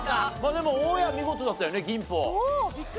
でも大家見事だったよねギンポ。